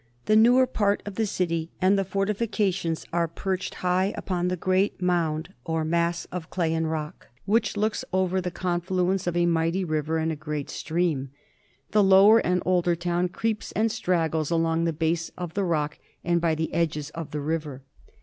The newer part of the city and the fortifications are perched high upon the great mound or mass of clay and rock, which looks over the con 288 A HISTORY OF THE FOUR GEORGES. ch.zl. fliience of a mighty river and a great stream. The lower and older town creeps and straggles along the base of the rock and by the edgets of the river.